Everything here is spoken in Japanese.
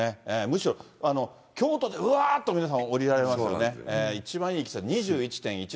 むしろ、京都でうわーっと皆さん、降りられますね、一番いい季節。